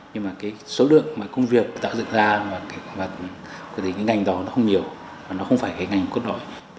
nhưng mà cái số lượng công việc tạo dựng ra cái ngành đó không nhiều nó không phải cái ngành quốc đội